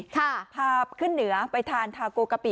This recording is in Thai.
ข้าพลับขึ้นเหนือไปทานทากล่อกะปิ